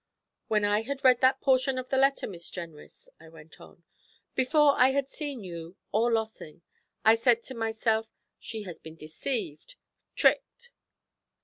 'When I had read that portion of the letter, Miss Jenrys,' I went on, 'before I had seen you or Lossing, I said to myself, "She has been deceived tricked!"'